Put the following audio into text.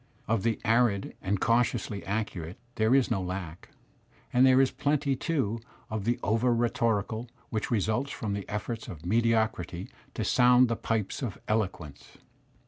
'* Of the arid and cautiously accurate there is no lack, and there is plenty, too, of the over rhetorical which results from the efforts of mediocrity to sound the pipes of eloquence.